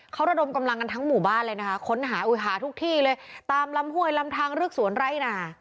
เขาระดมกำลังกันทั้งหมู่บ้านเลยนะคะค้นหาอุหาทุกที่เลยตามลำห้วยลำทางลึกสวนไร่นา